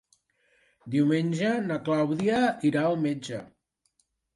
Diumenge na Clàudia irà al metge.